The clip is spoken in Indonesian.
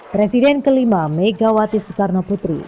presiden kelima megawati soekarno putri